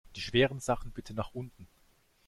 Die schweren Sachen bitte nach unten!